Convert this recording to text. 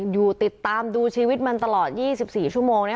อยู่ติดตามดูชีวิตมันตลอด๒๔ชั่วโมง